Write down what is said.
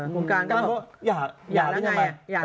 คุณการก็อยากแล้วไง